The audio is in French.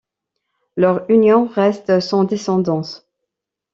Leur union reste sans descendance.